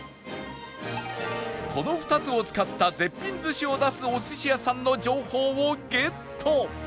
この２つを使った絶品寿司を出すお寿司屋さんの情報をゲット